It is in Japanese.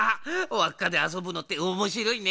わっかであそぶのっておもしろいね。